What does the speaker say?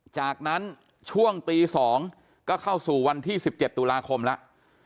จากนั้นช่วงตีสองก็เข้าสู่วันที่สิบเจ็ดตุลาคมแล้ว